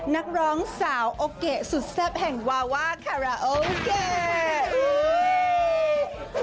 นักร้องสาวโอเคสุดเซ็บแห่งวาวาแคราโอเค